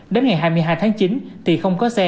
đến ngày hai mươi hai tháng chín thì không có xe